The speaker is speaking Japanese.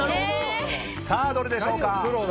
さあ、どれでしょうか？